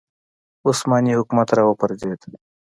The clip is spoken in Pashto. عثماني حکومت راوپرځېد